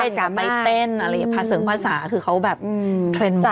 ชอบเต้นกับไปเต้นพาเสริงภาษาคือเขาแบบเทรนด์มาก